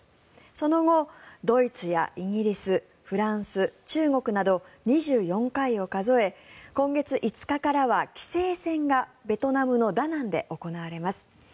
その後、ドイツやイギリスフランス、中国など２４回を数え今月５日からは棋聖戦がベトナムのダナンで行われます。